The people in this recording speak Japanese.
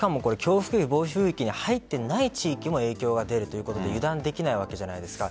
暴風域に入ってない地域も影響が出るので油断できないわけじゃないですか。